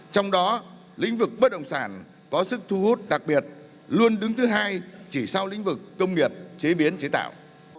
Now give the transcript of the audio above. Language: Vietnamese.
trong đó lĩnh vực bất động sản có sức thu hút đặc biệt luôn đứng thứ hai chỉ sau lĩnh vực công nghiệp chế biến chế tạo